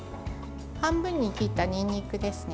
半分に切ったにんにくですね。